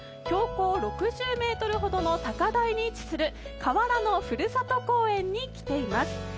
標高６０ｍほどの高台に位置する瓦のふるさと公園に来ています。